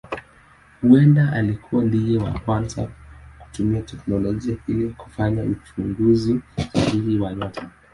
Huenda alikuwa ndiye wa kwanza kutumia teknolojia ili kufanya uchunguzi sahihi wa nyota.